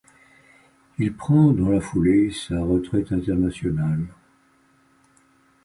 Il prend dans la foulée sa retraite internationale.